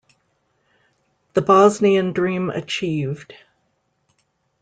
The Bosnian dream achieved.